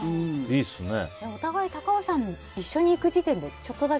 お互い、高尾山に一緒に行く時点で、ちょっとだけ。